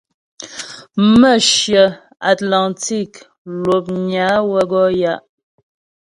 Mə̌hyə Atlantik l̀opnyə á wə́ gɔ ya'.